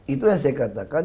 itulah saya katakan